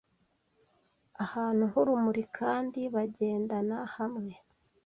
ahantu hurumuri Kandi bagendana hamwe